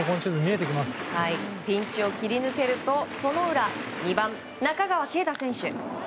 ピンチを切り抜けるとその裏、２番、中川圭太選手。